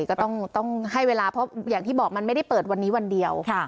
ก็ต้องให้เวลาเพราะอย่างที่บอกมันไม่ได้เปิดวันนี้วันเดียว